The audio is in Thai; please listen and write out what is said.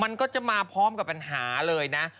มันก็จะมาพร้อมกับปัญหาเลยนะ